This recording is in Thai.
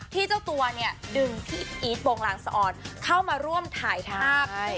เจ้าตัวเนี่ยดึงพี่อีทโปรงลางสะออนเข้ามาร่วมถ่ายภาพ